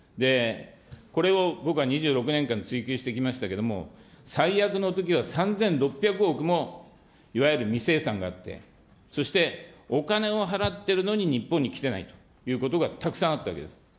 これを僕は２６年間追及してきましたけれども、最悪のときは３６００億も、いわゆる未精算があって、そしてお金を払ってるのに日本に来てないということがたくさんあったわけです。